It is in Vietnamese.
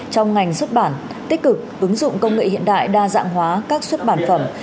trong ngành xuất bản tích cực ứng dụng công nghệ hiện đại đa dạng hóa các xuất bản phẩm